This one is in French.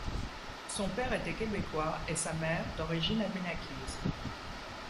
Son père était québécois et sa mère, d’origine abénaquise.